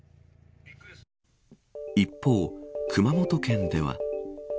一方、熊本県では。